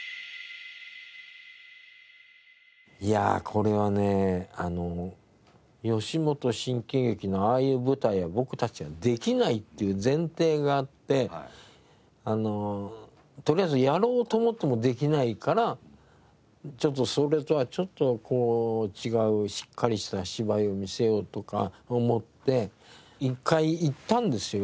いやあこれはね吉本新喜劇のああいう舞台は僕たちはできないっていう前提があってとりあえずやろうと思ってもできないからそれとはちょっと違うしっかりした芝居を見せようとか思って１回行ったんですよ